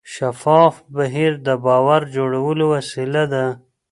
شفاف بهیر د باور جوړولو وسیله ده.